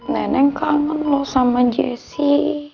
neneng kangen loh sama jessi